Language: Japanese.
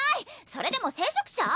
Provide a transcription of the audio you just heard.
それでも聖職者？